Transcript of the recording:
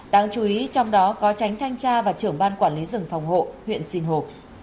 đáng chú ý trong đó có tránh thanh tra và trưởng ban quản lý rừng phòng hộ huyện sinh hồ